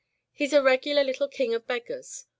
He's a regular little king of beggars.